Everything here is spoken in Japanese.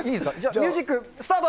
ミュージックスタート。